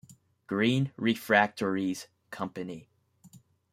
Green Refractories Company.